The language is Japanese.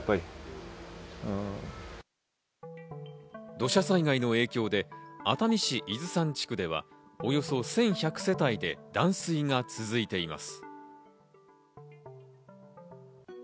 土砂災害の影響で熱海市伊豆山地区ではおよそ１１００世帯で断水が続いています。